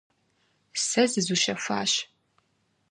Сэ зызущэхуащ.